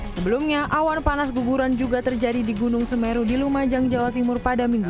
sebelumnya awan panas guguran juga terjadi di gunung semeru di lumajang jawa timur pada minggu